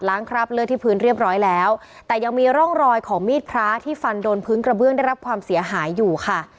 คราบเลือดที่พื้นเรียบร้อยแล้วแต่ยังมีร่องรอยของมีดพระที่ฟันโดนพื้นกระเบื้องได้รับความเสียหายอยู่ค่ะ